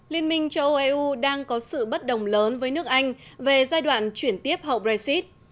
liên minh châu âu eu đang có sự bất đồng lớn với nước anh về giai đoạn chuyển tiếp hậu brexit